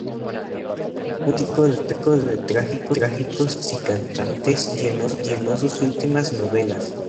Un simpático retrato de trágicos pintores y cantantes llenó sus últimas novelas.